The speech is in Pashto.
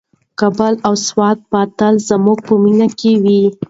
کابل او سوات به تل زموږ په مینه کې وي.